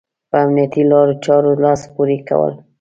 په امنيتي لارو چارو لاس پورې کول.